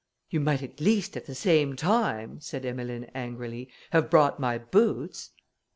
"You might at least, at the same time," said Emmeline, angrily, "have brought my boots."